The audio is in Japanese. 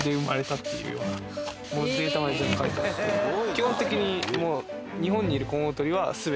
基本的に。